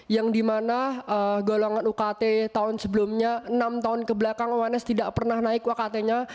yang dimana golongan ukt tahun sebelumnya enam tahun kebelakang uns tidak pernah naik ukt nya